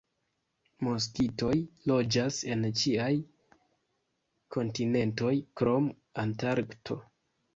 Moskitoj loĝas en ĉiaj kontinentoj krom Antarkto.